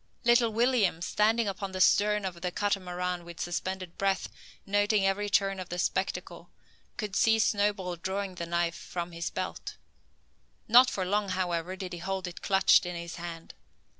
Little William, standing upon the stern of the Catamaran with suspended breath, noting every turn of the spectacle, could see Snowball drawing the knife from his belt. Not for long, however, did he hold it clutched in his hand.